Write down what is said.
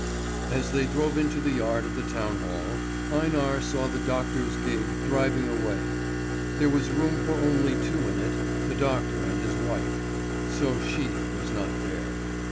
As they drove into the yard of the town hall, Einar saw the doctor's gig driving away. There was room for only two in it, the doctor and his wife, so she was not there.